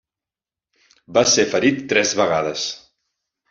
Va ser ferit tres vegades.